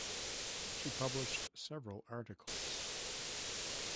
She published several articles.